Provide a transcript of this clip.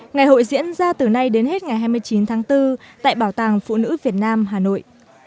ngày hội diễn ra từ nay đến hết ngày hai mươi chín tháng bốn tại bảo tàng phụ nữ việt nam hà nội